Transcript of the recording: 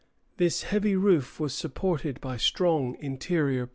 This heavy roof was supported by strong interior posts.